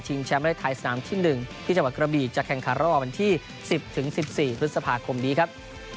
แชมป์และทายสนามที่๑ที่จังหวัดกระบีจากแข่งขันรอบที่๑๐๑๔พฤษภาคมนี้ครับ